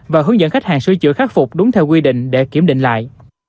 và hướng dẫn khách hàng sửa chữa khắc phục đúng theo quy định để kiểm định lại